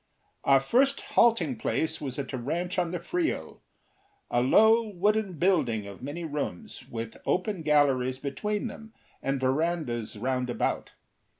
Our first halting place was at a ranch on the Frio; a low, wooden building, of many rooms, with open galleries between them, and verandas round about.